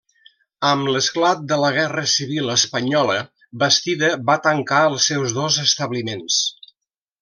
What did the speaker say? Amb l'esclat de la Guerra Civil espanyola Bastida va tancar els seus dos establiments.